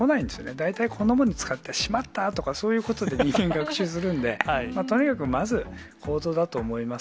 大体こんなものに使って、しまったとか、そういうことで人間、学習するんで、とにかくまず、行動だと思います。